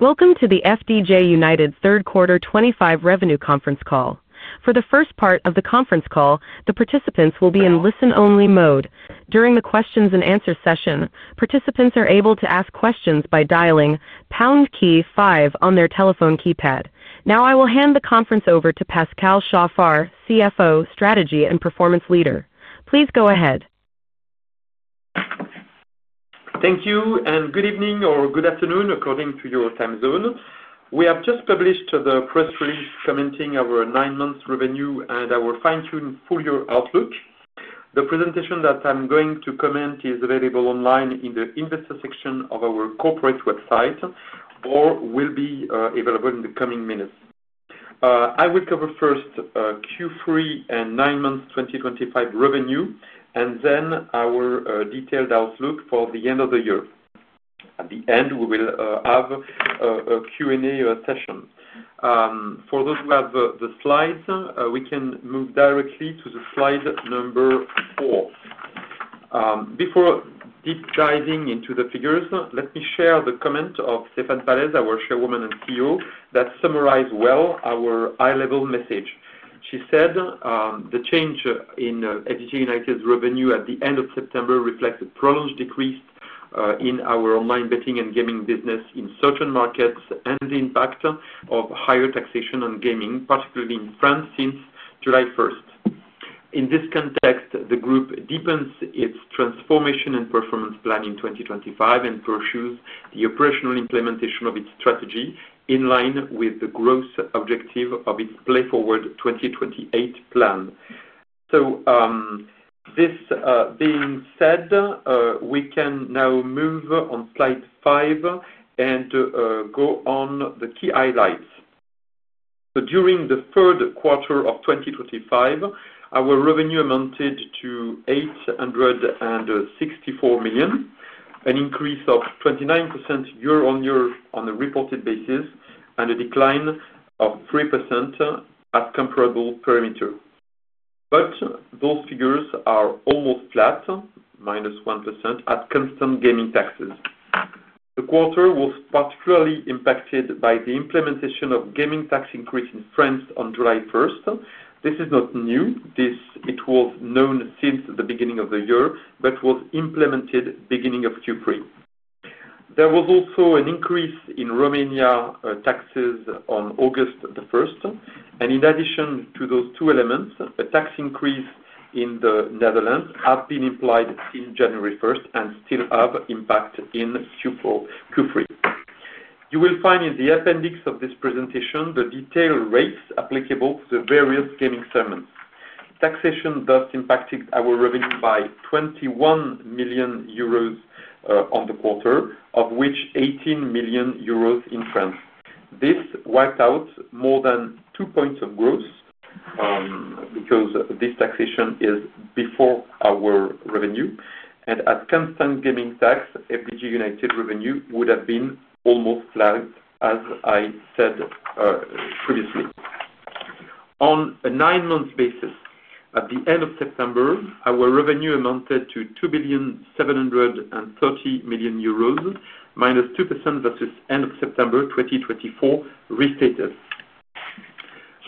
Welcome to the FDJ United Third Quarter 2025 Revenue Conference Call. For the first part of the conference call, the participants will be in listen-only mode. During the questions and answers session, participants are able to ask questions by dialing pound key five on their telephone keypad. Now, I will hand the conference over to Pascal Chaffard, CFO, Strategy, and Performance Leader. Please go ahead. Thank you, and good evening or good afternoon according to your time zone. We have just published the press release commenting our nine-month revenue and our fine-tuned full-year outlook. The presentation that I'm going to comment is available online in the investor section of our corporate website or will be available in the coming minutes. I will cover first Q3 and nine-month 2025 revenue, and then our detailed outlook for the end of the year. At the end, we will have a Q&A session. For those who have the slides, we can move directly to slide number four. Before deep diving into the figures, let me share the comment of Stéphane Pallez, our Chairwoman and CEO, that summarized well our high-level message. She said, "The change in FDJ United's revenue at the end of September reflects a prolonged decrease in our online betting and gaming business in certain markets and the impact of higher taxation on gaming, particularly in France since July 1st. In this context, the group deepens its transformation and performance plan in 2025 and pursues the operational implementation of its strategy in line with the growth objective of its Play Forward 2028 plan." This being said, we can now move on slide five and go on the key highlights. During the third quarter of 2025, our revenue amounted to 864 million, an increase of 29% year-on-year on a reported basis, and a decline of 3% at comparable parameters. Those figures are almost flat, -1% at constant gaming taxes. The quarter was particularly impacted by the implementation of gaming tax increase in France on July 1st. This is not new. It was known since the beginning of the year, but was implemented beginning of Q3. There was also an increase in Romanian taxes on August 1st. In addition to those two elements, a tax increase in the Netherlands has been applied since January 1st and still has impact in Q3. You will find in the appendix of this presentation the detailed rates applicable to the various gaming segments. Taxation thus impacted our revenue by 21 million euros on the quarter, of which 18 million euros in France. This wiped out more than two points of growth because this taxation is before our revenue. At constant gaming tax, FDJ United's revenue would have been almost flat, as I said previously. On a nine-month basis, at the end of September, our revenue amounted to 2.73 billion, -2% versus end of September 2024 restated.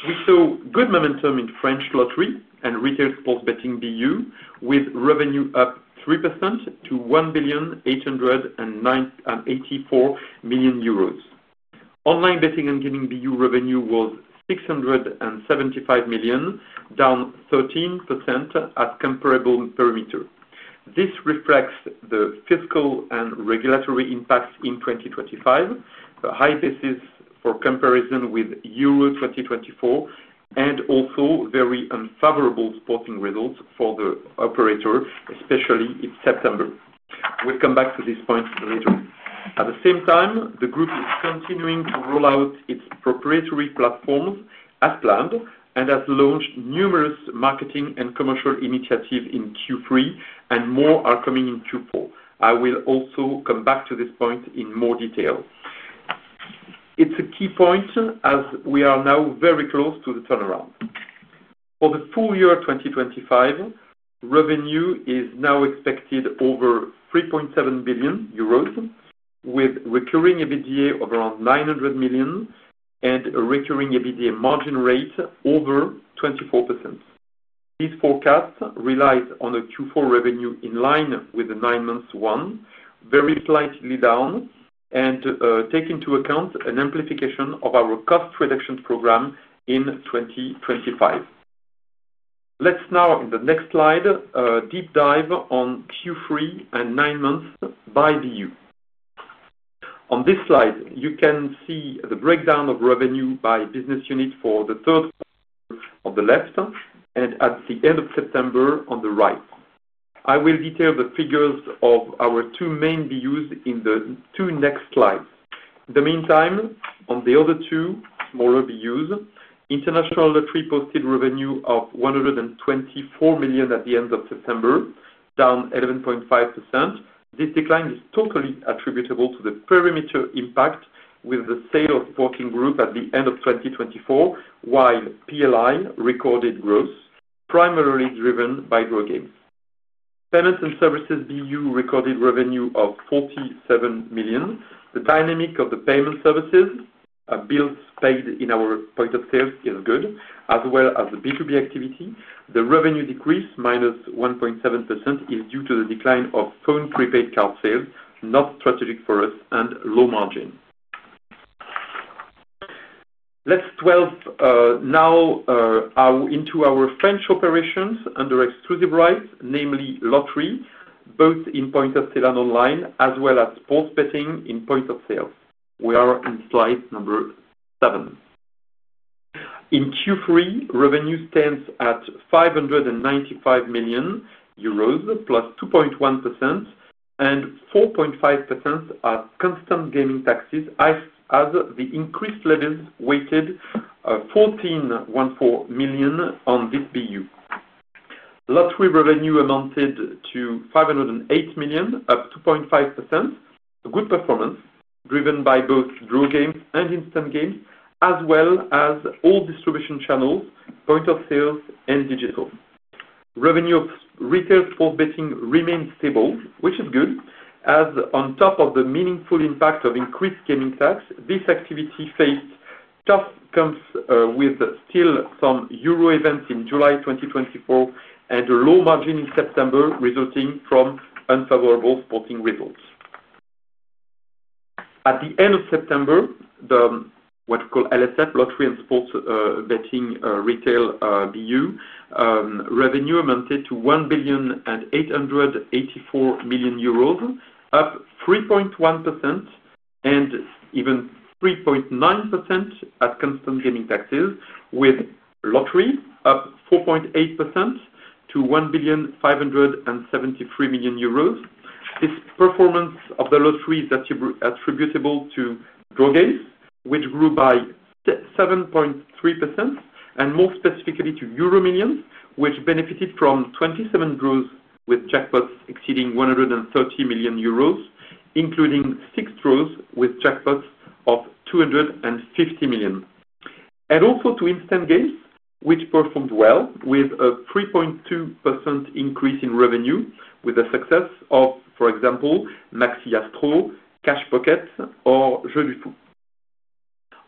We saw good momentum in French Lottery and Retail Sports Betting BU, with revenue up 3% to 1.884 billion. Online Betting & Gaming BU revenue was 675 million, down 13% at comparable parameters. This reflects the fiscal and regulatory impacts in 2025, a high basis for comparison with Euro 2024, and also very unfavorable sporting results for the operator, especially in September. We'll come back to this point later. At the same time, the group is continuing to roll out its proprietary platforms as planned and has launched numerous marketing and commercial initiatives in Q3, and more are coming in Q4. I will also come back to this point in more detail. It's a key point as we are now very close to the turnaround. For the full year 2025, revenue is now expected over 3.7 billion euros, with a recurring EBITDA of around 900 million and a recurring EBITDA margin rate over 24%. These forecasts rely on a Q4 revenue in line with the nine-month one, very slightly down, and take into account an amplification of our cost reduction program in 2025. Let's now, in the next slide, deep dive on Q3 and nine months by BU. On this slide, you can see the breakdown of revenue by business unit for the third quarter on the left and at the end of September on the right. I will detail the figures of our two main BUs in the two next slides. In the meantime, on the other two smaller BUs, International Lottery posted revenue of 124 million at the end of September, down 11.5%. This decline is totally attributable to the perimeter impact with the sale of Sporting Group at the end of 2024, while PLI recorded growth, primarily driven by draw games. Payments and Services BU recorded revenue of 47 million. The dynamic of the payment services, bills paid in our point of sales, is good, as well as the B2B activity. The revenue decrease, -1.7%, is due to the decline of phone prepaid card sales, not strategic for us, and low margin. Let's delve now into our French operations under exclusive rights, namely lottery, both in point of sale and online, as well as sports betting in point of sale. We are in slide number seven. In Q3, revenue stands at 595 million euros, +2.1%, and 4.5% at constant gaming taxes, as the increased levels weighted 14.14 million on this BU. Lottery revenue amounted to 508 million, up 2.5%. A good performance driven by both draw games and instant games, as well as all distribution channels, point of sales, and digital. Revenue of retail sports betting remains stable, which is good, as on top of the meaningful impact of increased gaming tax, this activity faced tough comps with still some Euro events in July 2024 and a low margin in September, resulting from unfavorable sporting results. At the end of September, what we call LSF, Lottery and Sports Betting Retail BU, revenue amounted to 1.884 billion, up 3.1% and even 3.9% at constant gaming taxes, with lottery up 4.8% to 1.573 billion euros. This performance of the lottery is attributable to draw games, which grew by 7.3%, and more specifically to EuroMillions, which benefited from 27 draws with jackpots exceeding 130 million euros, including six draws with jackpots of 250 million. Instant games also performed well with a 3.2% increase in revenue, with the success of, for example, Maxi Astro, Cash Pocket, or Jeux du Foot.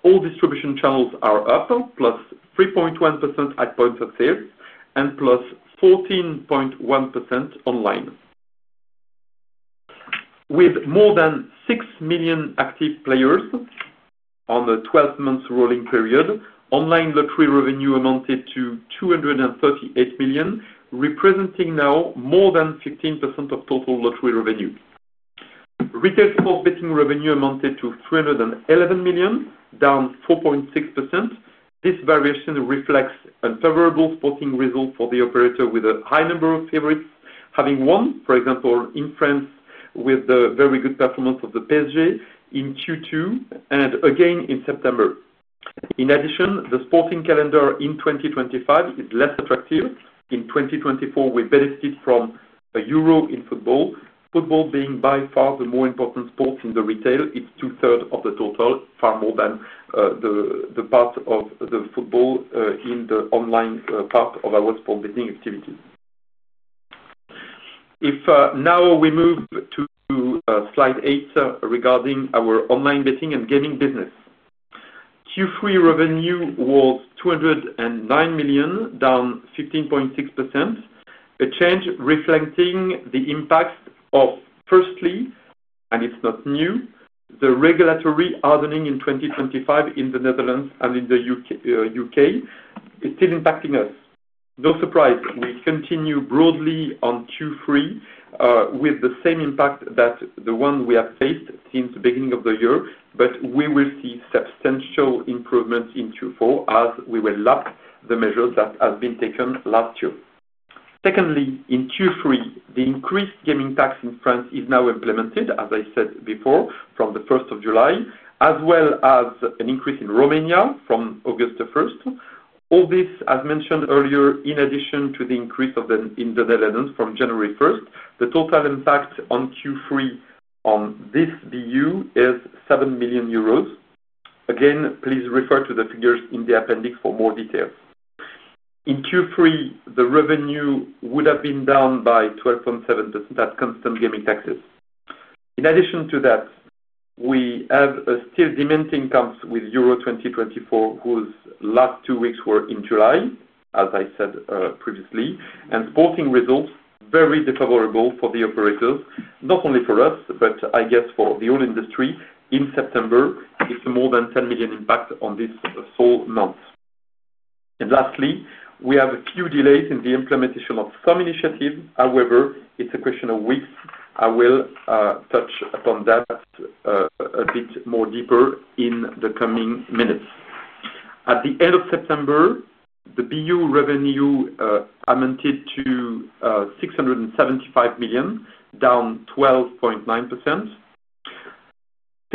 All distribution channels are up, +3.1% at point of sales and +14.1% online. With more than 6 million active players on a 12-month rolling period, online lottery revenue amounted to 238 million, representing now more than 15% of total lottery revenue. Retail sports betting revenue amounted to 311 million, down 4.6%. This variation reflects unfavorable sporting results for the operator with a high number of favorites, having won, for example, in France with the very good performance of PSG in Q2 and again in September. In addition, the sporting calendar in 2025 is less attractive. In 2024, we benefited from a Euro in football, football being by far the more important sport in the retail. It's 2/3 of the total, far more than the part of the football in the online part of our sports betting activities. If now we move to slide eight regarding our online betting and gaming business. Q3 revenue was 209 million, down 15.6%, a change reflecting the impact of, firstly, and it's not new, the regulatory hardening in 2025 in the Netherlands and in the U.K. is still impacting us. No surprise, we continue broadly on Q3 with the same impact that the one we have faced since the beginning of the year, but we will see substantial improvements in Q4 as we will lapse the measures that have been taken last year. Secondly, in Q3, the increased gaming tax in France is now implemented, as I said before, from the 1st of July, as well as an increase in Romania from August 1st. All this, as mentioned earlier, in addition to the increase in the Netherlands from January 1st. The total impact on Q3 on this BU is 7 million euros. Again, please refer to the figures in the appendix for more details. In Q3, the revenue would have been down by 12.7% at constant gaming taxes. In addition to that, we have still demanding comps with Euro 2024, whose last two weeks were in July, as I said previously, and sporting results very unfavorable for the operators, not only for us, but I guess for the whole industry. In September, it's more than 10 million impact on this sole month. Lastly, we have a few delays in the implementation of some initiatives. However, it's a question of weeks. I will touch upon that a bit more deeply in the coming minutes. At the end of September, the BU revenue amounted to 675 million, down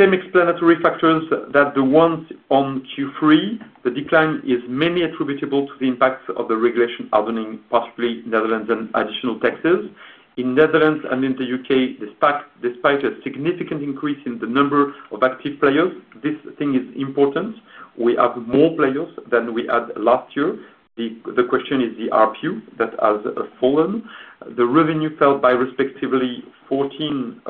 12.9%. Same explanatory factors as the ones on Q3. The decline is mainly attributable to the impacts of the regulation hardening, possibly Netherlands and additional taxes. In Netherlands and in the U.K., despite a significant increase in the number of active players, this thing is important. We have more players than we had last year. The question is the RPU that has fallen. The revenue fell by respectively 45.7%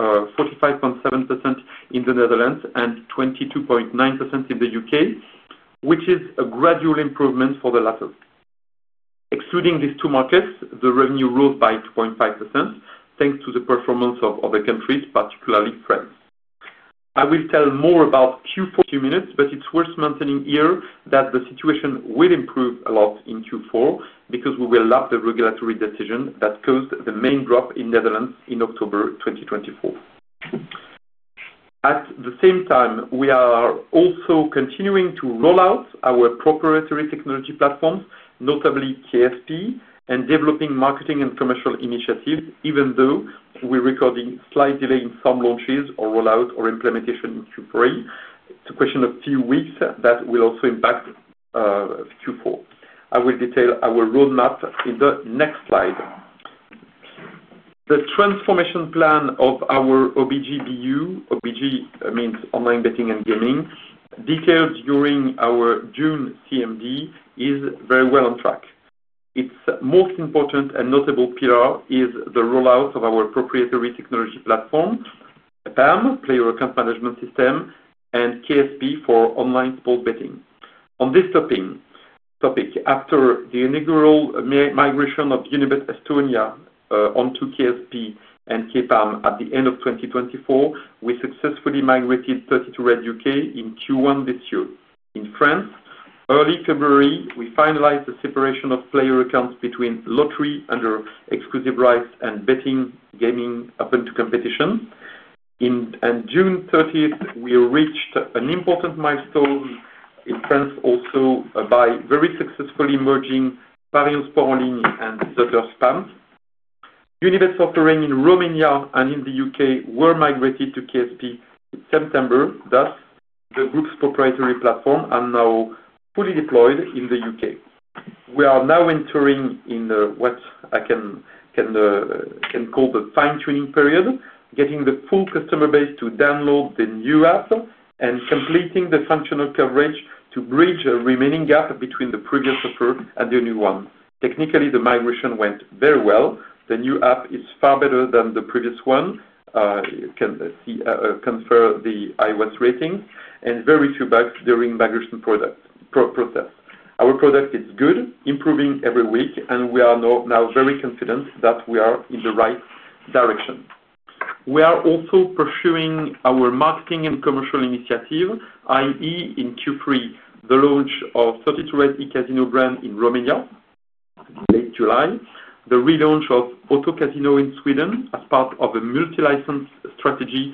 in the Netherlands and 22.9% in the U.K., which is a gradual improvement for the latter. Excluding these two markets, the revenue rose by 2.5% thanks to the performance of other countries, particularly France. I will tell more about Q4 in two minutes, but it's worth mentioning here that the situation will improve a lot in Q4 because we will lapse the regulatory decision that caused the main drop in Netherlands in October 2024. At the same time, we are also continuing to roll out our proprietary technology platforms, notably KSP, and developing marketing and commercial initiatives, even though we're recording slight delay in some launches or rollout or implementation in Q3. It's a question of a few weeks that will also impact Q4. I will detail our roadmap in the next slide. The transformation plan of our OBG BU, OBG means online betting and gaming, detailed during our June CMD is very well on track. Its most important and notable pillar is the rollout of our proprietary technology platform, Player Account Management (PAM) system, and KSP for online sports betting. On this topic, after the inaugural migration of Unibet Estonia onto KSP and KPAM at the end of 2024, we successfully migrated 32Red U.K. in Q1 this year. In France, early February, we finalized the separation of player accounts between lottery under exclusive rights and betting gaming open to competition. On June 30th, we reached an important milestone in France also by very successfully merging Paris Sport en Ligne and Zotter Spam. Unibet's offering in Romania and in the U.K. were migrated to KSP in September. Thus, the group's proprietary platforms are now fully deployed in the U.K. We are now entering what I can call the fine-tuning period, getting the full customer base to download the new app and completing the functional coverage to bridge a remaining gap between the previous offer and the new one. Technically, the migration went very well. The new app is far better than the previous one. You can compare the iOS rating and very few bugs during the migration process. Our product is good, improving every week, and we are now very confident that we are in the right direction. We are also pursuing our marketing and commercial initiative, i.e., in Q3, the launch of 32Red eCasino brand in Romania in late July, the relaunch of Auto Casino in Sweden as part of a multi-license strategy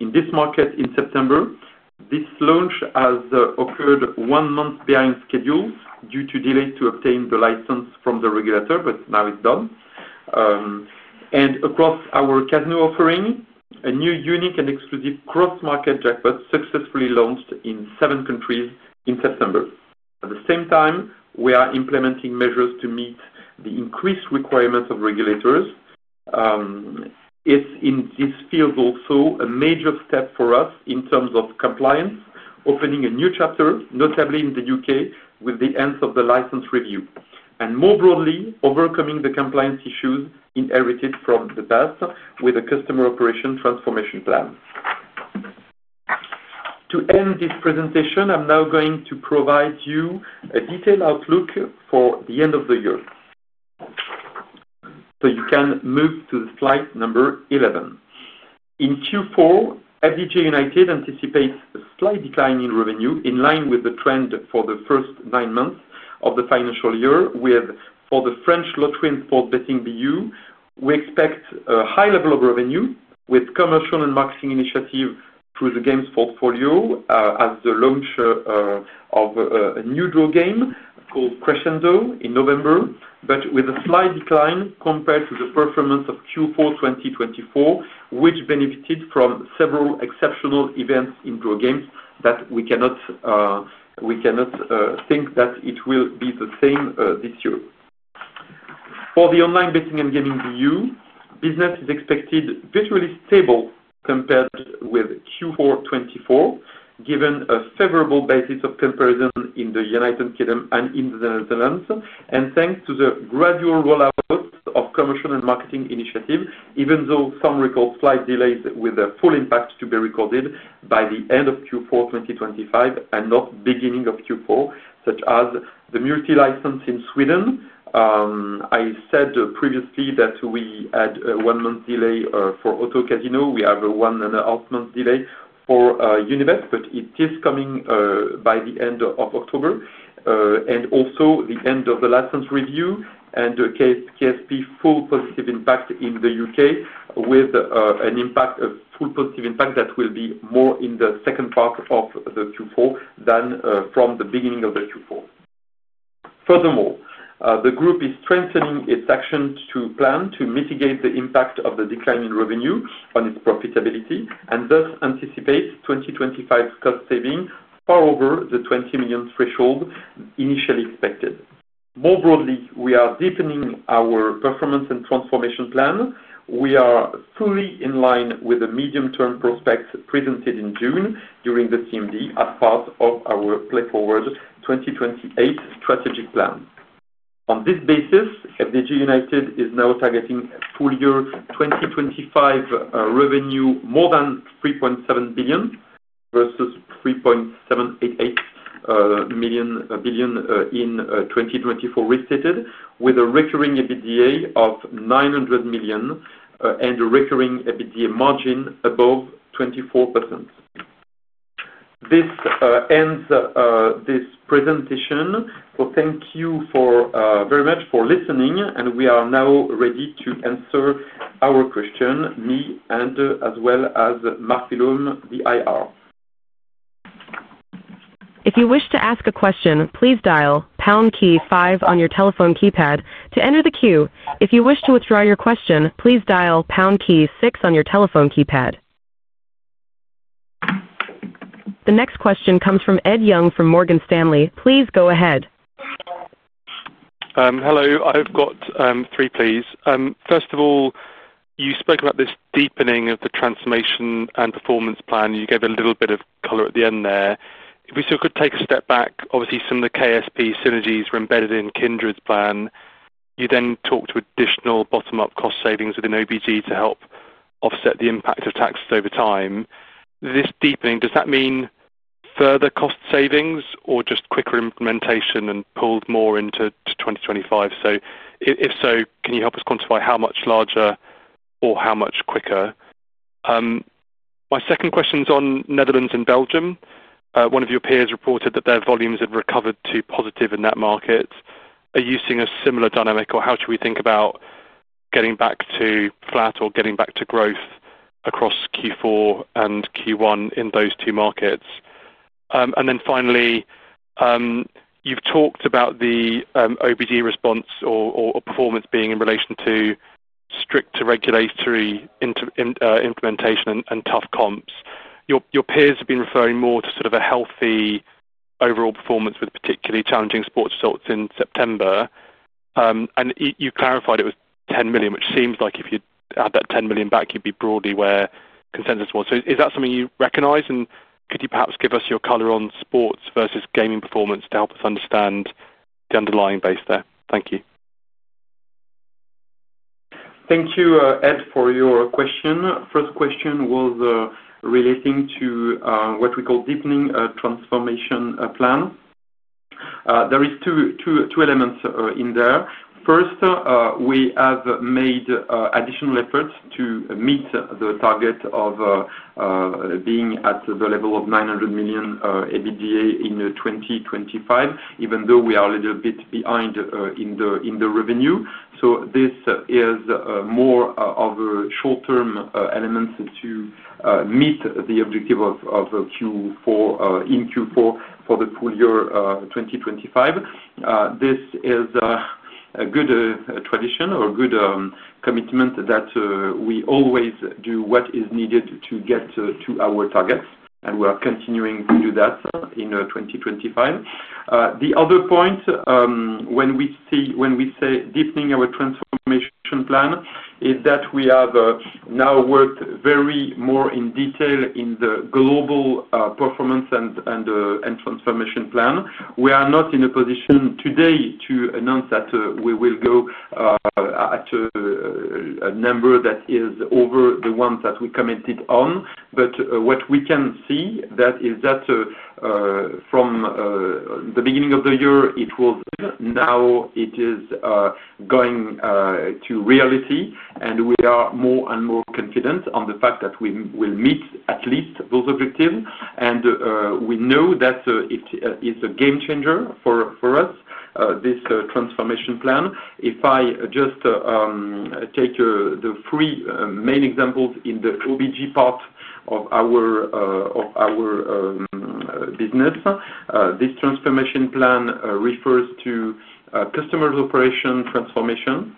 in this market in September. This launch has occurred one month behind schedule due to delays to obtain the license from the regulator, but now it's done. Across our casino offering, a new unique and exclusive cross-market jackpot successfully launched in seven countries in September. At the same time, we are implementing measures to meet the increased requirements of regulators. It's in this field also a major step for us in terms of compliance, opening a new chapter, notably in the U.K., with the end of the license review. More broadly, overcoming the compliance issues inherited from the past with a customer operations transformation plan. To end this presentation, I'm now going to provide you a detailed outlook for the end of the year. You can move to slide number 11. In Q4, FDJ United anticipates a slight decline in revenue in line with the trend for the first nine months of the financial year. For the French Lottery and Sports Betting BU, we expect a high level of revenue with commercial and marketing initiatives through the games portfolio, such as the launch of a new draw game called Crescendo in November, but with a slight decline compared to the performance of Q4 2024, which benefited from several exceptional events in draw games that we cannot think that it will be the same this year. For the Online Betting and Gaming BU, business is expected visually stable compared with Q4 2024, given a favorable basis of comparison in the United Kingdom and in the Netherlands. Thanks to the gradual rollout of commercial and marketing initiatives, even though some record slight delays with the full impact to be recorded by the end of Q4 2025 and not the beginning of Q4, such as the multi-license in Sweden. I said previously that we had a one-month delay for Auto Casino. We have a one-and-a-half month delay for Unibet, but it is coming by the end of October. Also the end of the license review and the KSP full positive impact in the U.K. with an impact, a full positive impact that will be more in the second part of the Q4 than from the beginning of the Q4. Furthermore, the group is strengthening its action plan to mitigate the impact of the decline in revenue on its profitability and thus anticipate 2025 cost saving far over the 20 million threshold initially expected. More broadly, we are deepening our performance and transformation plan. We are fully in line with the medium-term prospects presented in June during the CMD as part of our Play Forward 2028 strategic plan. On this basis, FDJ United is now targeting full-year 2025 revenue more than 3.7 billion versus 3.788 billion in 2024 restated, with a recurring EBITDA of 900 million and a recurring EBITDA margin above 24%. This ends this presentation. Thank you very much for listening, and we are now ready to answer our questions, me and as well as Marc Willaume, the IR. If you wish to ask a question, please dial #KEY5 on your telephone keypad to enter the queue. If you wish to withdraw your question, please dial #KEY6 on your telephone keypad. The next question comes from Ed Young from Morgan Stanley. Please go ahead. Hello. I've got three, please. First of all, you spoke about this deepening of the transformation and performance plan. You gave a little bit of color at the end there. If we still could take a step back, obviously, some of the KSP synergies were embedded in Kindred's plan. You then talked to additional bottom-up cost savings within OBG to help offset the impact of taxes over time. This deepening, does that mean further cost savings or just quicker implementation and pulled more into 2025? If so, can you help us quantify how much larger or how much quicker? My second question is on Netherlands and Belgium. One of your peers reported that their volumes had recovered to positive in that market. Are you seeing a similar dynamic, or how should we think about getting back to flat or getting back to growth across Q4 and Q1 in those two markets? Finally, you've talked about the OBG response or performance being in relation to stricter regulatory implementation and tough comps. Your peers have been referring more to sort of a healthy overall performance with particularly challenging sports results in September. You clarified it was 10 million, which seems like if you add that 10 million back, you'd be broadly where consensus was. Is that something you recognize? Could you perhaps give us your color on sports versus gaming performance to help us understand the underlying base there? Thank you. Thank you, Ed, for your question. First question was relating to what we call deepening a transformation plan. There are two elements in there. First, we have made additional efforts to meet the target of being at the level of 900 million EBITDA in 2025, even though we are a little bit behind in the revenue. This is more of a short-term element to meet the objective in Q4 for the full year 2025. This is a good tradition or a good commitment that we always do what is needed to get to our targets, and we are continuing to do that in 2025. The other point when we say deepening our transformation plan is that we have now worked very more in detail in the global performance and transformation plan. We are not in a position today to announce that we will go at a number that is over the ones that we committed on. What we can see is that from the beginning of the year, it was. Now it is going to reality, and we are more and more confident on the fact that we will meet at least those objectives. We know that it is a game changer for us, this transformation plan. If I just take the three main examples in the OBG part of our business, this transformation plan refers to customer operations transformation,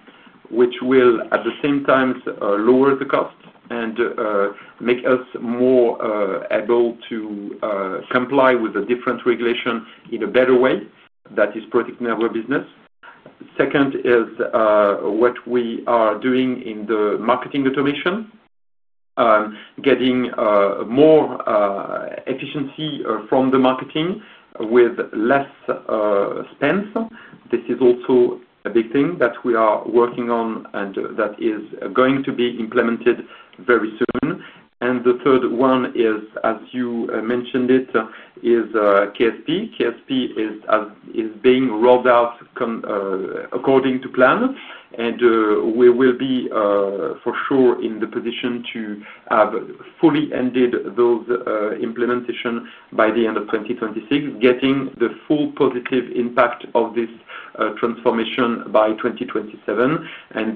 which will at the same time lower the cost and make us more able to comply with the different regulations in a better way that is protecting our business. Second is what we are doing in the marketing automation, getting more efficiency from the marketing with less spend. This is also a big thing that we are working on and that is going to be implemented very soon. The third one is, as you mentioned it, is KSP. KSP is being rolled out according to plan, and we will be for sure in the position to have fully ended those implementations by the end of 2026, getting the full positive impact of this transformation by 2027.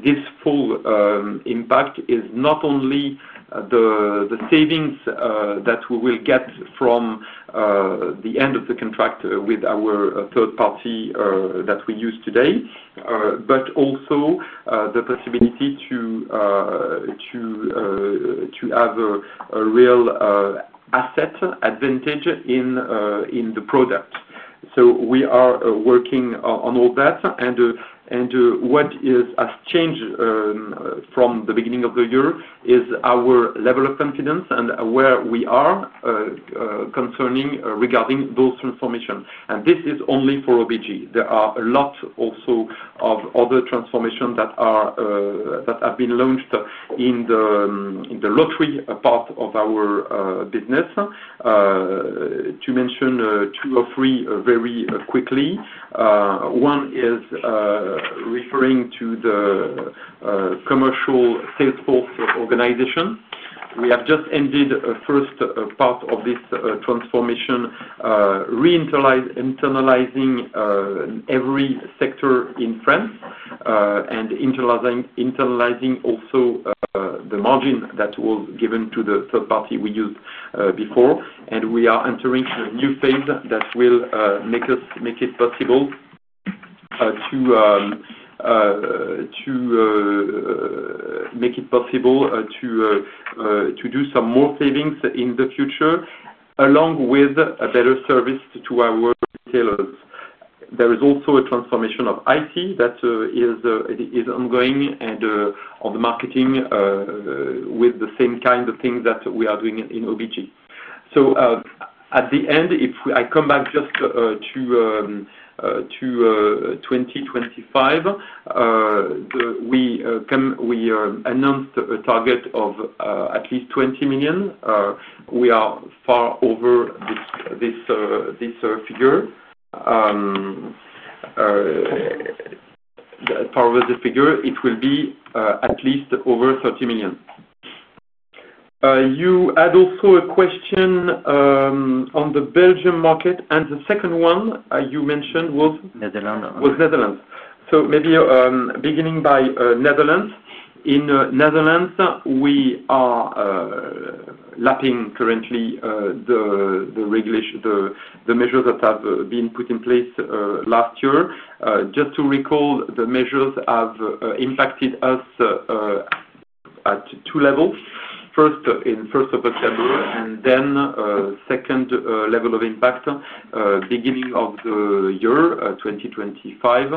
This full impact is not only the savings that we will get from the end of the contract with our third party that we use today, but also the possibility to have a real asset advantage in the product. We are working on all that. What has changed from the beginning of the year is our level of confidence and where we are regarding those transformations. This is only for OBG. There are a lot also of other transformations that have been launched in the lottery part of our business. To mention two or three very quickly, one is referring to the commercial sales force organization. We have just ended the first part of this transformation, reinternalizing every sector in France and internalizing also the margin that was given to the third party we used before. We are entering a new phase that will make it possible to do some more savings in the future along with a better service to our retailers. There is also a transformation of IT that is ongoing and of the marketing with the same kind of things that we are doing in OBG. At the end, if I come back just to 2025, we announced a target of at least 20 million. We are far over this figure. Far over the figure, it will be at least over 30 million. You had also a question on the Belgium market. The second one you mentioned was. Netherlands. Was Netherlands. Maybe beginning by Netherlands. In Netherlands, we are lapping currently the measures that have been put in place last year. Just to recall, the measures have impacted us at two levels. First, in the 1st of October, and then the second level of impact, the beginning of the year 2025,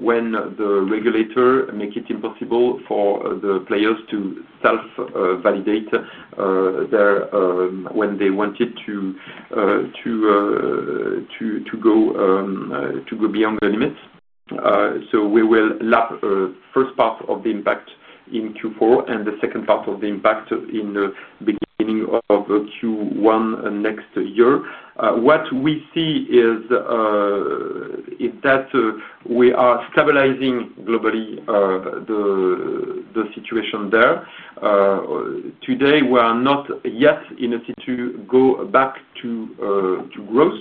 when the regulator made it impossible for the players to self-validate when they wanted to go beyond the limits. We will lapse the first part of the impact in Q4 and the second part of the impact in the beginning of Q1 next year. What we see is that we are stabilizing globally the situation there. Today, we are not yet in a situation to go back to growth.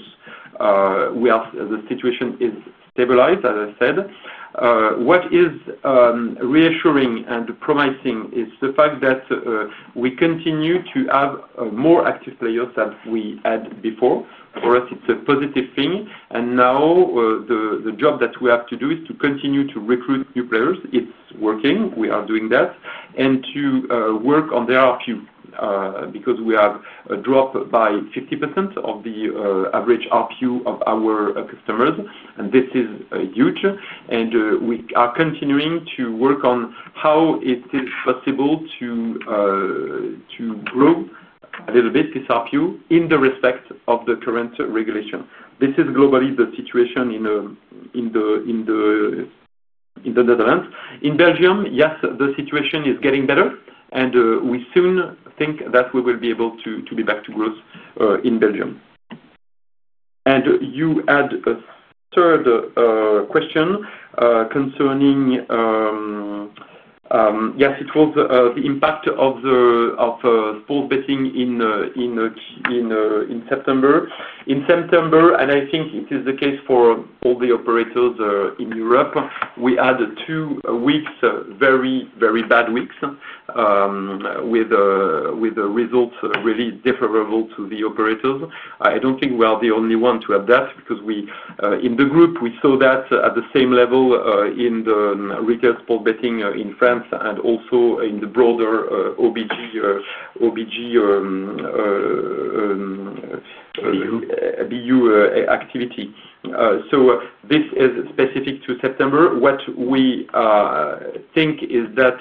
The situation is stabilized, as I said. What is reassuring and promising is the fact that we continue to have more active players than we had before. For us, it's a positive thing. Now the job that we have to do is to continue to recruit new players. It's working. We are doing that. To work on their RPU because we have a drop by 50% of the average RPU of our customers. This is huge. We are continuing to work on how it is possible to grow a little bit this RPU in the respect of the current regulation. This is globally the situation in the Netherlands. In Belgium, yes, the situation is getting better. We soon think that we will be able to be back to growth in Belgium. You had a third question concerning, yes, it was the impact of the sports betting in September. In September, and I think it is the case for all the operators in Europe, we had two weeks, very, very bad weeks with results really deferable to the operators. I don't think we are the only one to have that because in the group, we saw that at the same level in the retail sports betting in France and also in the broader OBG BU activity. This is specific to September. What we think is that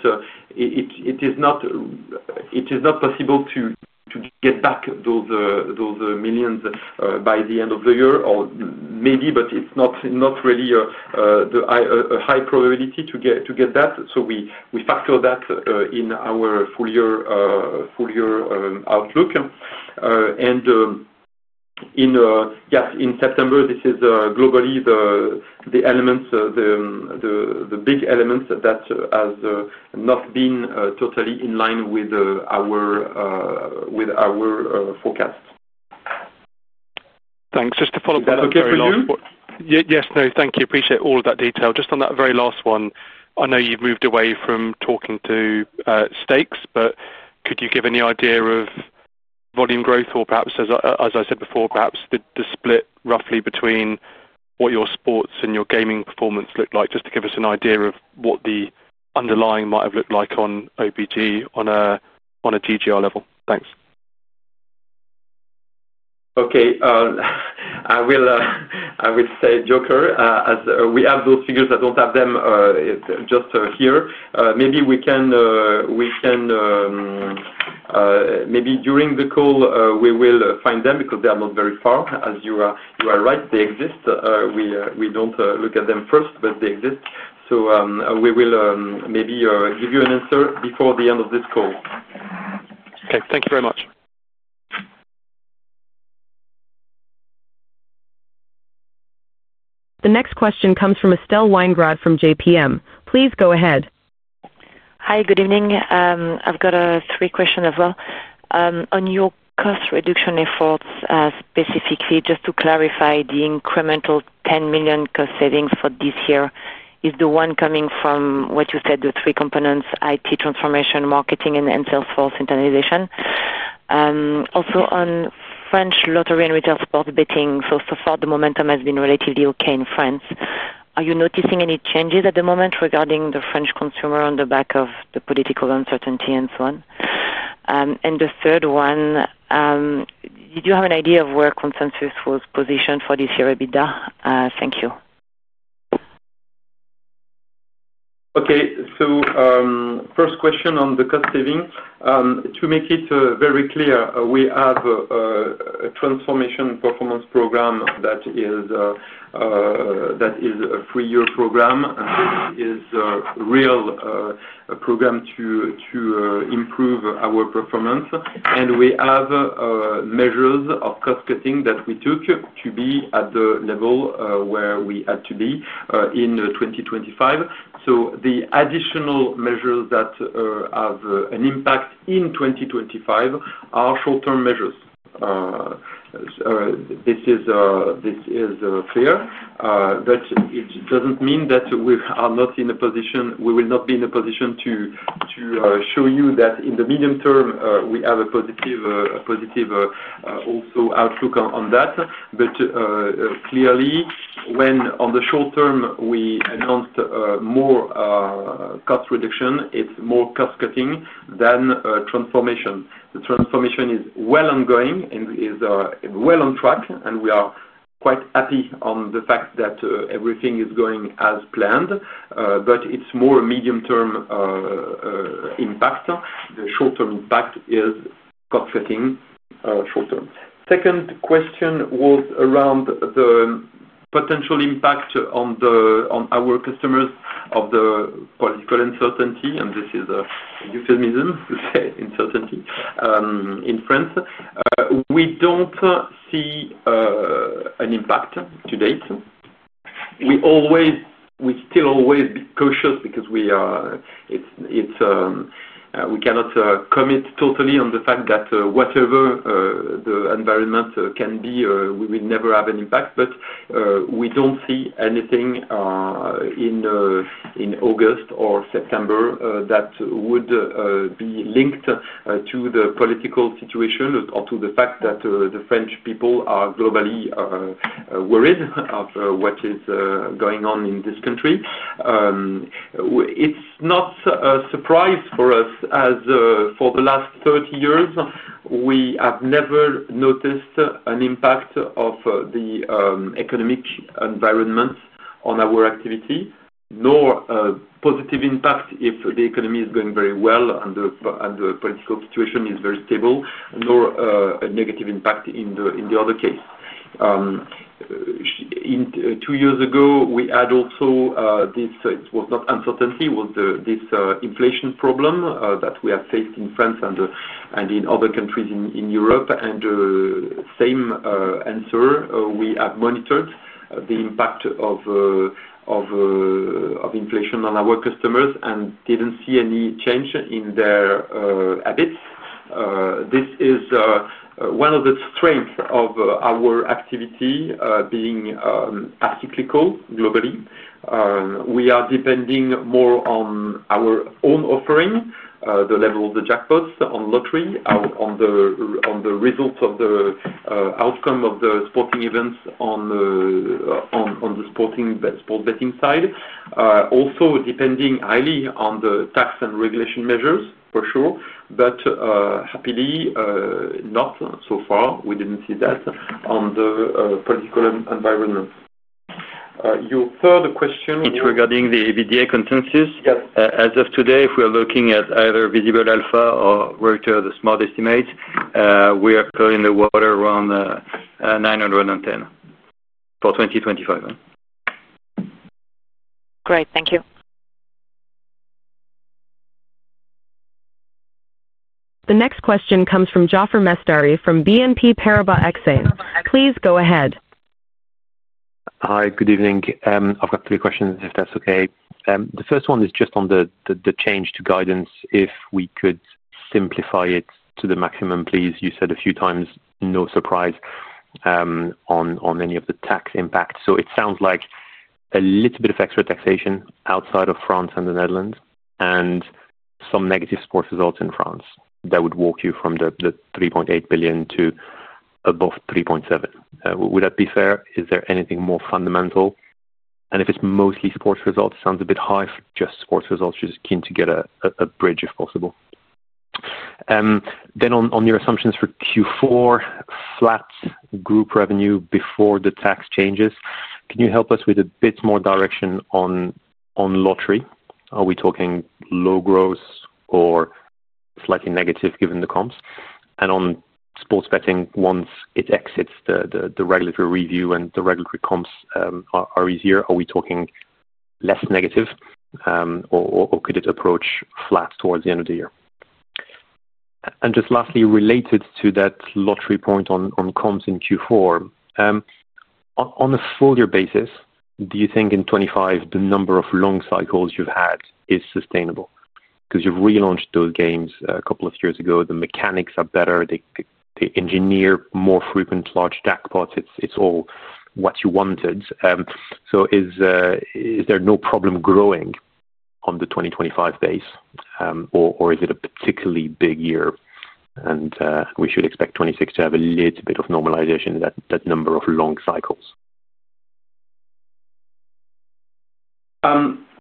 it is not possible to get back those millions by the end of the year, or maybe, but it's not really a high probability to get that. We factor that in our full-year outlook. In September, this is globally the big element that has not been totally in line with our forecast. Thanks. Just to follow up on that. Is that okay for you? Thank you. Appreciate all of that detail. Just on that very last one, I know you've moved away from talking to stakes, but could you give any idea of volume growth or perhaps, as I said before, perhaps the split roughly between what your sports and your gaming performance looked like? Just to give us an idea of what the underlying might have looked like on OBG on a GGR level. Thanks. Okay. I will say Joker. We have those figures. I don't have them just here. Maybe during the call, we will find them because they are not very far. You are right, they exist. We don't look at them first, but they exist. We will maybe give you an answer before the end of this call. Okay, thank you very much. The next question comes from Estelle Weingrod from JPM. Please go ahead. Hi. Good evening. I've got a three-question as well. On your cost reduction efforts, specifically, just to clarify, the incremental 10 million cost savings for this year is the one coming from what you said, the three components: IT transformation, marketing, and sales force internalization. Also, on French Lottery and Retail Sports Betting, so far, the momentum has been relatively okay in France. Are you noticing any changes at the moment regarding the French consumer on the back of the political uncertainty and so on? The third one, did you have an idea of where consensus was positioned for this year EBITDA? Thank you. Okay. First question on the cost saving. To make it very clear, we have a transformation performance program that is a three-year program and is a real program to improve our performance. We have measures of cost cutting that we took to be at the level where we had to be in 2025. The additional measures that have an impact in 2025 are short-term measures. This is fair. It doesn't mean that we are not in a position, we will not be in a position to show you that in the medium term, we have a positive also outlook on that. Clearly, when on the short term, we announced more cost reduction, it's more cost cutting than transformation. The transformation is well ongoing and is well on track. We are quite happy on the fact that everything is going as planned. It's more a medium-term impact. The short-term impact is cost cutting short term. Second question was around the potential impact on our customers of the political uncertainty. This is a euphemism to say uncertainty in France. We don't see an impact to date. We still always be cautious because we cannot commit totally on the fact that whatever the environment can be, we will never have an impact. We don't see anything in August or September that would be linked to the political situation or to the fact that the French people are globally worried of what is going on in this country. It's not a surprise for us as for the last 30 years, we have never noticed an impact of the economic environment on our activity, nor a positive impact if the economy is going very well and the political situation is very stable, nor a negative impact in the other case. Two years ago, we had also this, it was not uncertainty, was this inflation problem that we have faced in France and in other countries in Europe. The same answer, we have monitored the impact of inflation on our customers and didn't see any change in their habits. This is one of the strengths of our activity being acyclical globally. We are depending more on our own offering, the level of the jackpots on lottery, on the results of the outcome of the sporting events on the sports betting side. Also, depending highly on the tax and regulation measures, for sure. Happily, not so far, we didn't see that on the political environment. Your third question was. It's regarding the EBITDA consensus. Yes. As of today, if we are looking at either Visible Alpha or Reuters SmartEstimate, we are currently in the water around 910 million for 2027. Great. Thank you. The next question comes from Jaafar Mestari from BNP Paribas Exane. Please go ahead. Hi. Good evening. I've got three questions, if that's okay. The first one is just on the change to guidance. If we could simplify it to the maximum, please. You said a few times, no surprise on any of the tax impact. It sounds like a little bit of extra taxation outside of France and the Netherlands and some negative sports results in France that would walk you from the 3.8 billion to above 3.7 billion. Would that be fair? Is there anything more fundamental? If it's mostly sports results, it sounds a bit high for just sports results. I'm just keen to get a bridge if possible. On your assumptions for Q4, flat group revenue before the tax changes. Can you help us with a bit more direction on lottery? Are we talking low growth or slightly negative given the comps? On sports betting, once it exits the regulatory review and the regulatory comps are easier, are we talking less negative or could it approach flat towards the end of the year? Just lastly, related to that lottery point on comps in Q4, on a full-year basis, do you think in 2025, the number of long cycles you've had is sustainable? Because you've relaunched those games a couple of years ago. The mechanics are better. They engineer more frequent large jackpots. It's all what you wanted. Is there no problem growing on the 2025 base, or is it a particularly big year and we should expect 2026 to have a little bit of normalization in that number of long cycles?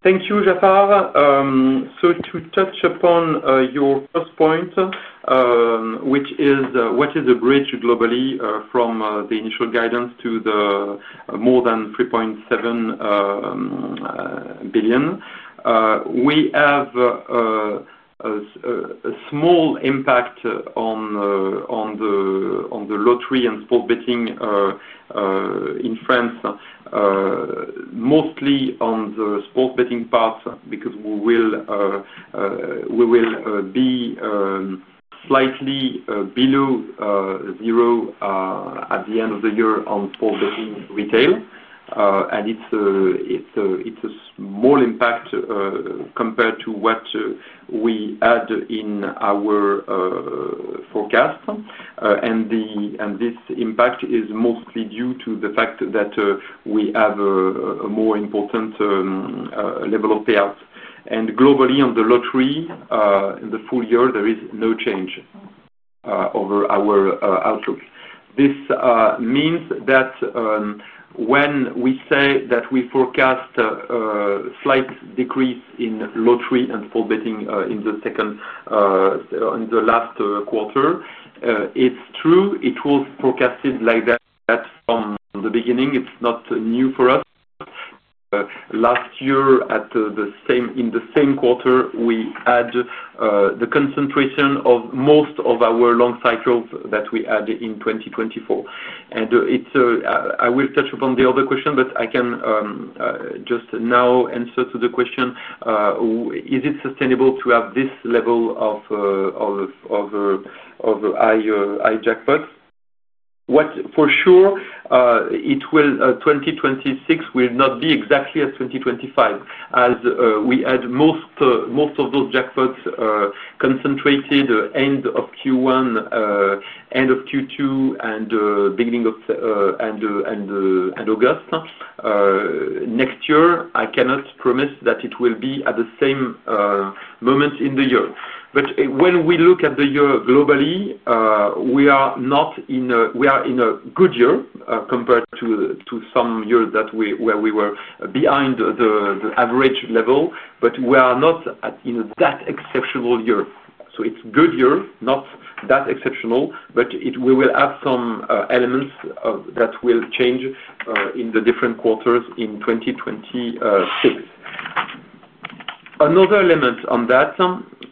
Thank you, Jaafar. To touch upon your first point, which is what is the bridge globally from the initial guidance to the more than 3.7 billion? We have a small impact on the lottery and sports betting in France, mostly on the sports betting part because we will be slightly below zero at the end of the year on sports betting retail. It's a small impact compared to what we had in our forecast. This impact is mostly due to the fact that we have a more important level of payouts. Globally, on the lottery, in the full year, there is no change over our outlook. This means that when we say that we forecast a slight decrease in lottery and sports betting in the last quarter, it's true. It was forecasted like that from the beginning. It's not new for us. Last year, in the same quarter, we had the concentration of most of our long cycles that we had in 2024. I will touch upon the other question, but I can just now answer the question, is it sustainable to have this level of high jackpots? For sure, 2026 will not be exactly as 2025 as we had most of those jackpots concentrated end of Q1, end of Q2, and beginning of August. Next year, I cannot promise that it will be at the same moment in the year. When we look at the year globally, we are not in a good year compared to some years where we were behind the average level, but we are not in that exceptional year. It's a good year, not that exceptional, but we will have some elements that will change in the different quarters in 2026. Another element on that,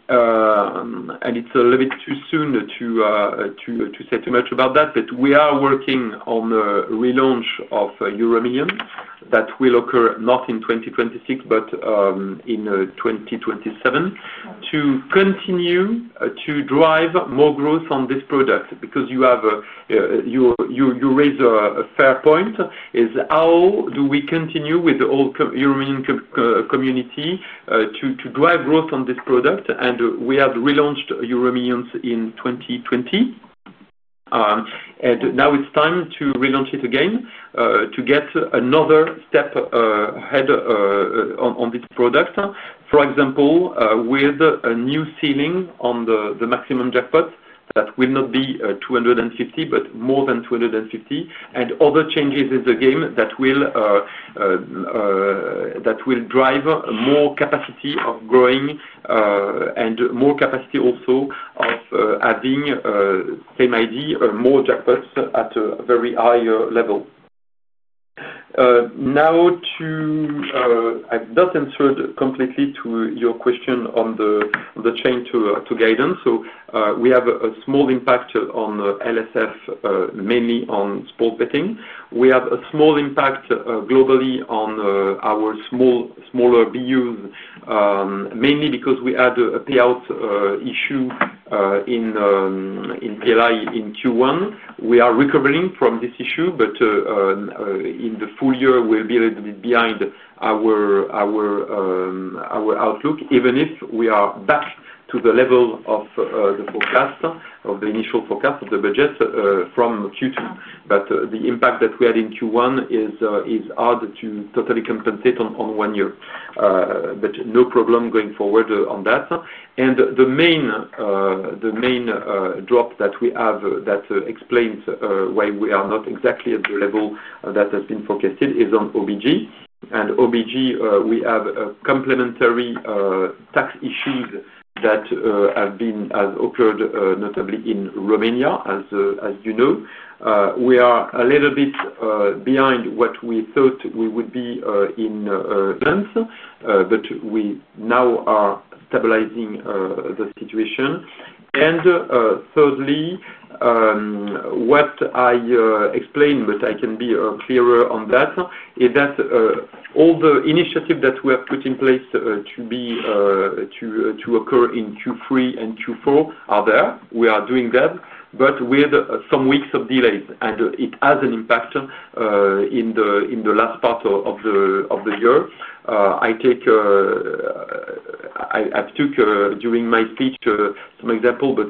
and it's a little bit too soon to say too much about that, but we are working on a relaunch of EuroMillions that will occur not in 2026, but in 2027 to continue to drive more growth on this product. You raise a fair point, how do we continue with the whole EuroMillions community to drive growth on this product? We have relaunched EuroMillions in 2020. Now it's time to relaunch it again to get another step ahead on this product. For example, with a new ceiling on the maximum jackpot that will not be 250 million, but more than 250 million. Other changes in the game will drive more capacity of growing and more capacity also of adding, same idea, more jackpots at a very high level. I have not answered completely to your question on the chain to guidance. We have a small impact on LSF, mainly on sports betting. We have a small impact globally on our smaller BUs, mainly because we had a payout issue in PLI in Q1. We are recovering from this issue, but in the full year, we'll be a little bit behind our outlook, even if we are back to the level of the forecast, of the initial forecast of the budget from Q2. The impact that we had in Q1 is hard to totally compensate on one year. No problem going forward on that. The main drop that we have that explains why we are not exactly at the level that has been forecasted is on OBG. In OBG, we have complementary tax issues that have occurred notably in Romania, as you know. We are a little bit behind what we thought we would be in France, but we now are stabilizing the situation. Thirdly, what I explained, but I can be clearer on that, is that all the initiatives that were put in place to occur in Q3 and Q4 are there. We are doing that, but with some weeks of delays. It has an impact in the last part of the year. I took during my speech some examples, but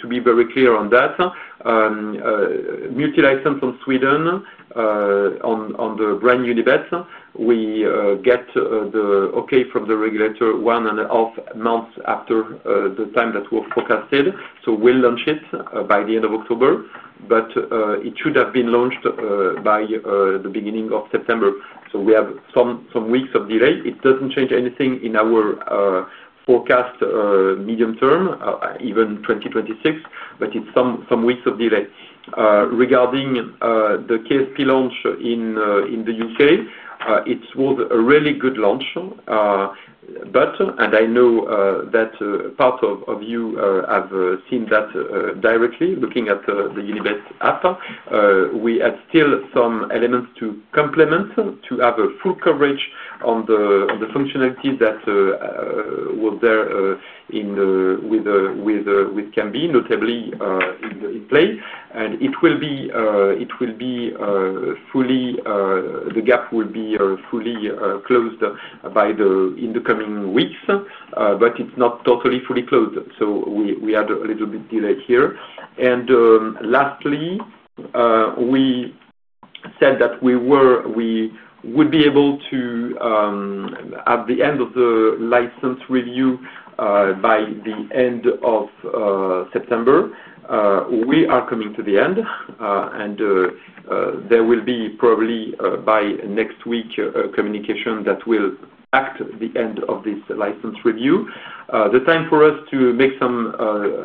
to be very clear on that, multi-license in Sweden on the brand Unibet, we get the okay from the regulator one and a half months after the time that was forecasted. We'll launch it by the end of October, but it should have been launched by the beginning of September. We have some weeks of delay. It doesn't change anything in our forecast medium term, even 2026, but it's some weeks of delay. Regarding the KSP launch in the U.K., it was a really good launch. I know that part of you have seen that directly looking at the Unibet app. We had still some elements to complement to have a full coverage on the functionality that was there with Cambly, notably in play. It will be fully, the gap will be fully closed in the coming weeks, but it's not totally fully closed. We had a little bit of delay here. Lastly, we said that we would be able to, at the end of the license review by the end of September. We are coming to the end. There will be probably by next week communication that will act the end of this license review. The time for us to make some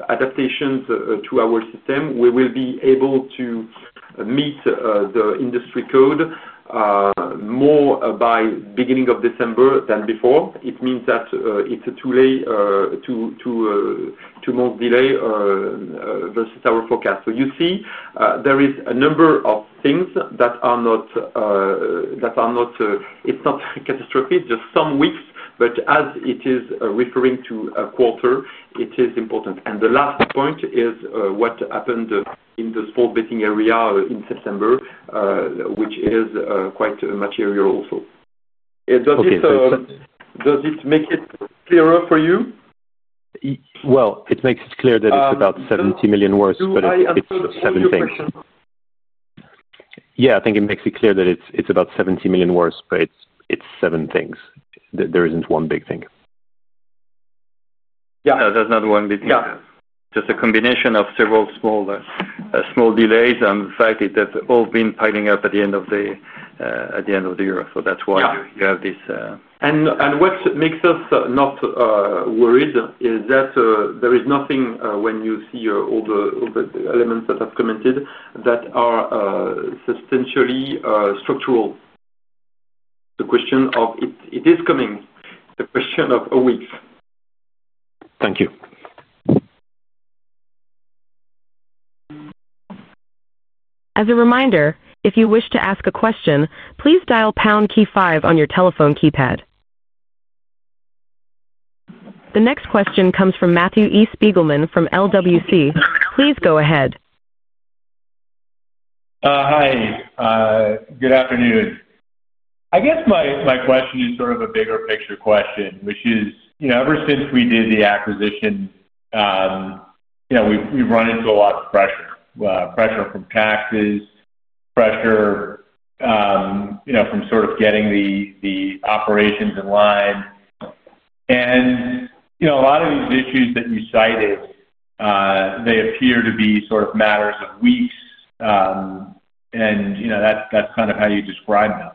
adaptations to our system, we will be able to meet the industry code more by the beginning of December than before. It means that it's too late, too much delay versus our forecast. You see, there is a number of things that are not, it's not catastrophic, just some weeks. As it is referring to a quarter, it is important. The last point is what happened in the sports betting area in September, which is quite material also. Does it make it clearer for you? It makes it clear that it's about 70 million worse, but it's seven things. I think it makes it clear that it's about 70 million worse, but it's seven things. There isn't one big thing. Yeah, there's not one big thing, just a combination of several small delays. The fact is that they've all been piling up at the end of the year, which is why you have this. What makes us not worried is that there is nothing, when you see all the elements that have been commented, that is substantially structural. The question of it is coming, the question of a week. Thank you. As a reminder, if you wish to ask a question, please dial #KEY5 on your telephone keypad. The next question comes from Matthew E. Spiegelman from LWC. Please go ahead. Hi. Good afternoon. My question is sort of a bigger picture question, which is, ever since we did the acquisition, we've run into a lot of pressure, pressure from taxes, pressure from sort of getting the operations in line. A lot of these issues that you cited, they appear to be matters of weeks. That's kind of how you describe them.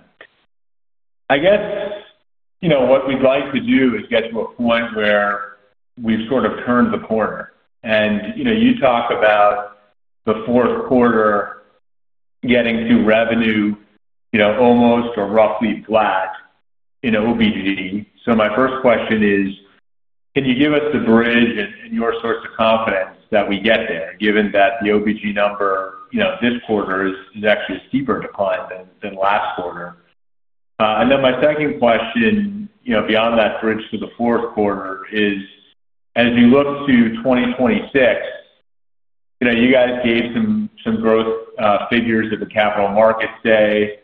What we'd like to do is get to a point where we've turned the corner. You talk about the fourth quarter getting to revenue almost or roughly flat in OBG. My first question is, can you give us the bridge and your source of confidence that we get there, given that the OBG number this quarter is actually a steeper decline than last quarter? My second question, beyond that bridge to the fourth quarter, is as you look to 2026, you guys gave some growth figures at the capital market day.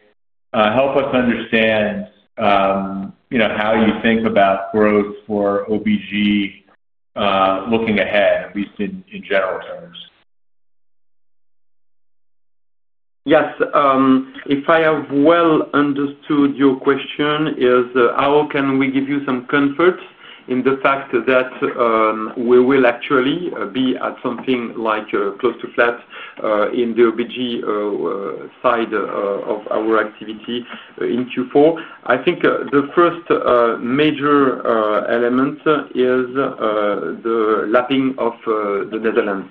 Help us understand how you think about growth for OBG looking ahead, at least in general terms. Yes. If I have well understood your question, is how can we give you some comfort in the fact that we will actually be at something like close to flat in the OBG side of our activity in Q4? I think the first major element is the lapping of the Netherlands.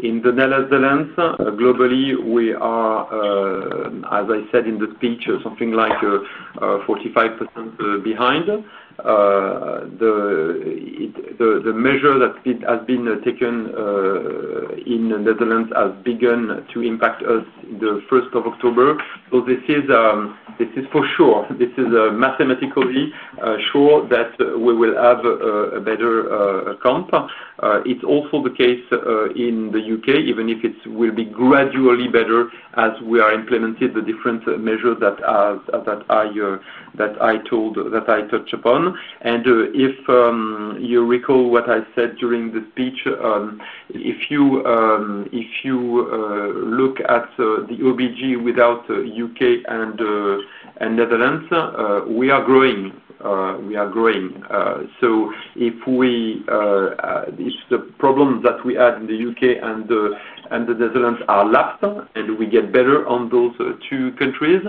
In the Netherlands, globally, we are, as I said in the speech, something like 45% behind. The measure that has been taken in the Netherlands has begun to impact us on the 1st of October. This is for sure. This is mathematically sure that we will have a better comp. It's also the case in the U.K., even if it will be gradually better as we are implementing the different measures that I touch upon. If you recall what I said during the speech, if you look at the OBG without U.K. and Netherlands, we are growing. We are growing. If the problems that we had in the U.K. and the Netherlands are lapped and we get better on those two countries,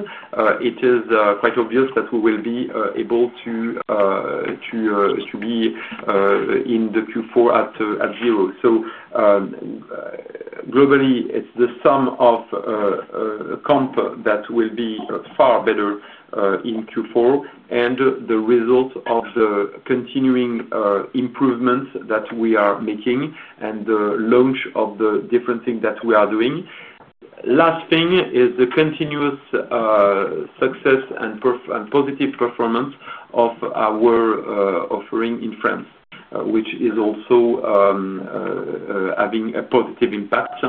it is quite obvious that we will be able to be in the Q4 at zero. Globally, it's the sum of comp that will be far better in Q4 and the result of the continuing improvements that we are making and the launch of the different things that we are doing. Last thing is the continuous success and positive performance of our offering in France, which is also having a positive impact,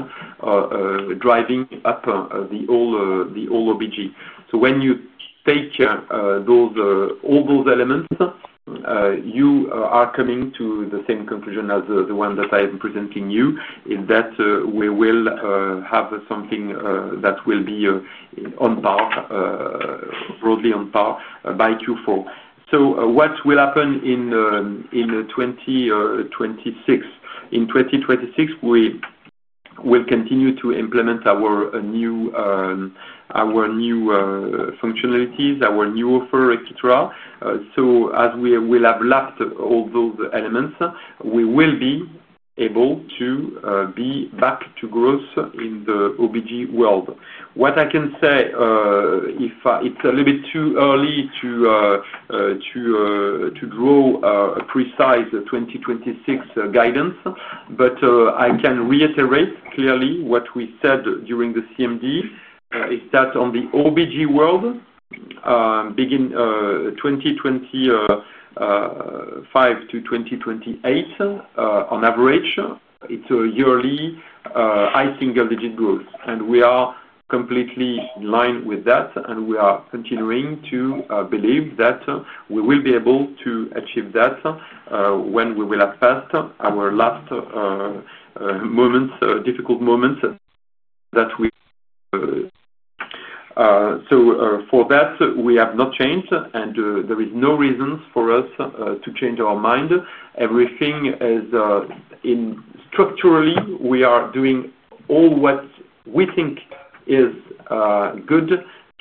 driving up the whole OBG. When you take all those elements, you are coming to the same conclusion as the one that I am presenting you, is that we will have something that will be on par, broadly on par by Q4. What will happen in 2026? In 2026, we will continue to implement our new functionalities, our new offer, etc. As we will have lapped all those elements, we will be able to be back to growth in the OBG world. What I can say, if it's a little bit too early to draw a precise 2026 guidance, but I can reiterate clearly what we said during the CMD, is that on the OBG world, beginning 2025 to 2028, on average, it's a yearly high single-digit growth. We are completely in line with that. We are continuing to believe that we will be able to achieve that when we will have passed our last moments, difficult moments that we. For that, we have not changed. There is no reason for us to change our mind. Everything is in structurally, we are doing all what we think is good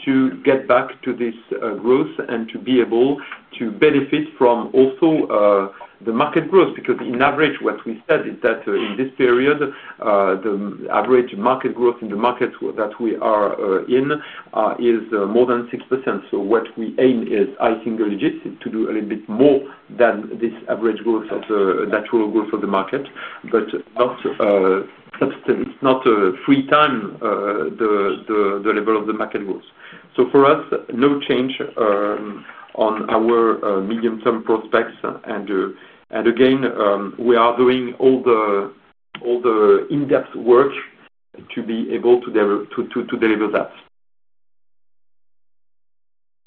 to get back to this growth and to be able to benefit from also the market growth. In average, what we said is that in this period, the average market growth in the market that we are in is more than 6%. We aim for high single digits to do a little bit more than this average growth of the natural growth of the market. It is not three times the level of the market growth. For us, no change on our medium-term prospects. Again, we are doing all the in-depth work to be able to deliver that.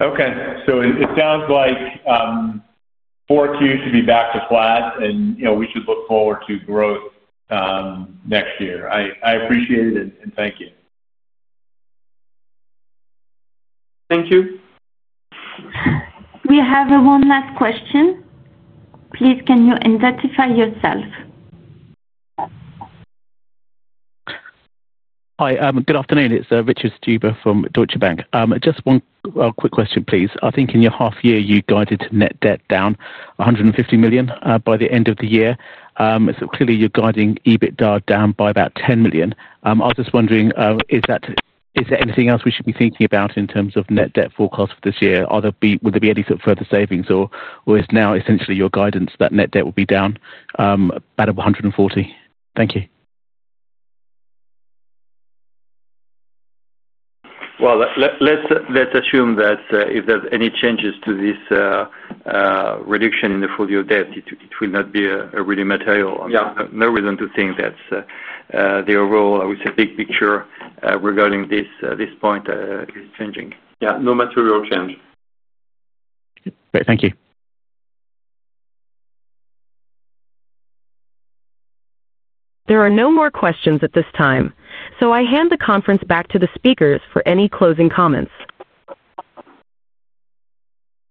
Okay, it sounds like four Qs should be back to flat, and we should look forward to growth next year. I appreciate it and thank you. Thank you. We have one last question. Please, can you identify yourself? Hi. Good afternoon. It's Richard Stuber from Deutsche Bank. Just one quick question, please. I think in your half year, you guided net debt down 150 million by the end of the year. Clearly, you're guiding EBITDA down by about 10 million. I was just wondering, is there anything else we should be thinking about in terms of net debt forecast for this year? Will there be any sort of further savings? Is now essentially your guidance that net debt will be down at 140 million? Thank you. If there's any changes to this reduction in the full-year debt, it will not be really material. I mean, no reason to think that the overall, I would say, big picture regarding this point is changing. Yeah, no material change. Great. Thank you. There are no more questions at this time. I hand the conference back to the speakers for any closing comments.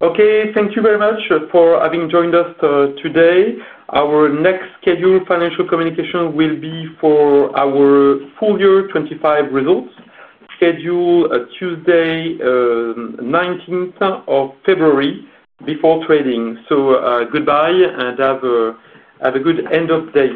Okay. Thank you very much for having joined us today. Our next scheduled financial communication will be for our full-year 2025 results, scheduled Tuesday, 19th of February, before trading. Goodbye and have a good end of day.